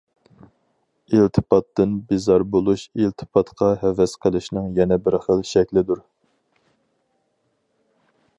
ئىلتىپاتتىن بىزار بولۇش ئىلتىپاتقا ھەۋەس قىلىشنىڭ يەنە بىر خىل شەكلىدۇر.